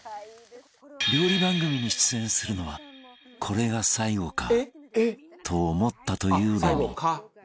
料理番組に出演するのはこれが最後かと思ったというレミ